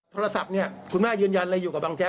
โทรศัพท์เนี่ยคุณแม่ยืนยันเลยอยู่กับบางแจ๊